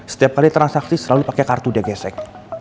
setiap kali transaksi selalu pakai kartu dia gesek